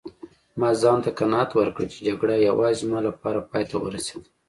ما ځانته قناعت ورکړ چي جګړه یوازې زما لپاره پایته ورسیده.